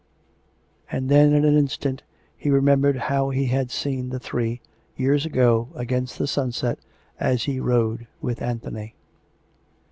And then, in an instant he remembered how he had seen the three, years ago, against the sunset, as he rode with An thony.